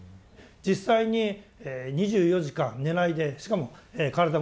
実際に２４時間寝ないでしかも体も動かす